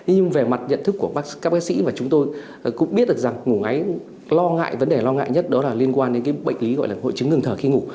nhưng về mặt nhận thức của các bác sĩ và chúng tôi cũng biết được rằng ngủ ngáy lo ngại vấn đề lo ngại nhất đó là liên quan đến cái bệnh lý gọi là hội chứng ngừng thở khi ngủ